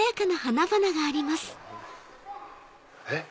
えっ？